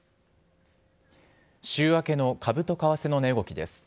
週明けの株と為替の値動きです。